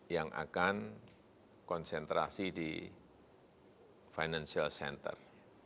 yang akan konsentrasi di financial center